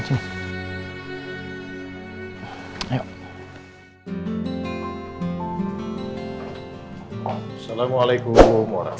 assalamualaikum warahmatullahi wabarakatuh